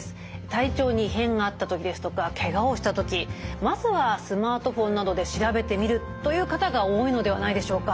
体調に異変があった時ですとかけがをした時まずはスマートフォンなどで調べてみるという方が多いのではないでしょうか。